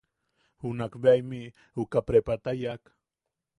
Junak bea imiʼi uka prepata yaʼak.